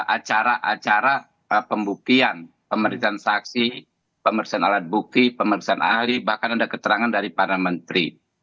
acara acara pembuktian pemeriksaan saksi pemeriksaan alat bukti pemeriksaan ahli bahkan ada keterangan dari para menteri